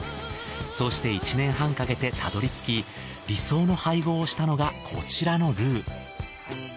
そして１年半かけてたどり着き理想の配合をしたのがこちらのルー。